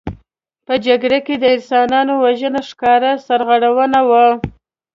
په جګړو کې د انسانانو وژنه ښکاره سرغړونه وه.